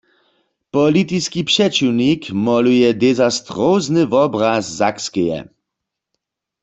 Politiski přećiwnik moluje dezastrozny wobraz Sakskeje.